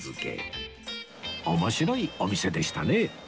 面白いお店でしたね